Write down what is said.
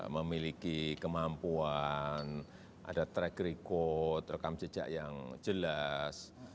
memiliki kemampuan ada track record rekam jejak yang jelas